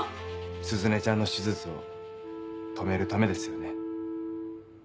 鈴音ちゃんの手術を止めるためですよね？